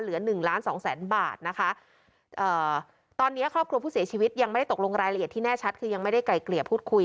เหลือหนึ่งล้านสองแสนบาทนะคะเอ่อตอนเนี้ยครอบครัวผู้เสียชีวิตยังไม่ได้ตกลงรายละเอียดที่แน่ชัดคือยังไม่ได้ไกลเกลี่ยพูดคุย